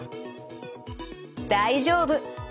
大丈夫。